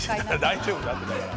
大丈夫だってだから。